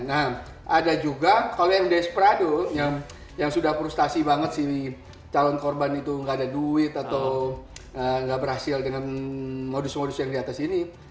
nah ada juga kalau yang desprado yang sudah frustasi banget si calon korban itu gak ada duit atau gak berhasil dengan modus modus yang diatas ini